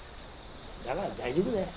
だから大丈夫だよ。